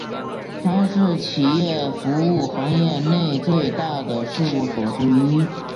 它是企业服务行业内最大的事务所之一。